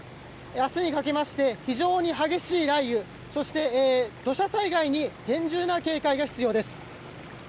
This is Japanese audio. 明日にかけまして非常に激しい雷雨そして土砂災害に厳重な警戒が必要です。